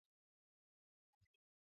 مډرنې ودانۍ په کې لږ لیدل کېږي.